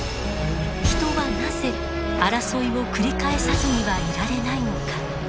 人はなぜ争いを繰り返さずにはいられないのか。